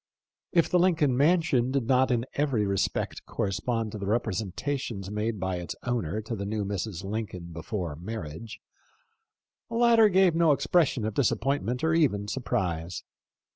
If the Lincoln mansion did not in every respect correspond to the representations made by its owner to the new Mrs. Lincoln before marriage, the latter gave no expression of disappointment or even surprise.